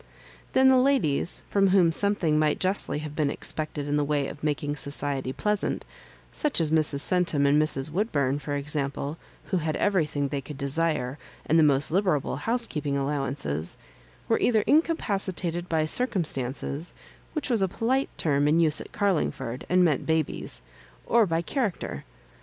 Then the ladies, from whom some thing might justly have been expected in the way of making society pleasant — ^such as Mrs. Centum and Mrs. Woodbum, for example, who had everything they could desire, aud the most liberal housekeeping allowances —» were either mcapacitated by circumstances (which was a polite term in use at Garlingford, and meant ba bies) or by character.